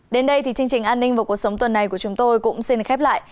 đến đây thì chương trình an ninh và cuộc sống tuần này của chúng tôi cũng xin khép lại